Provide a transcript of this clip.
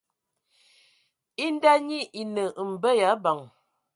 E nda nyi e nə mbə ya abəŋ.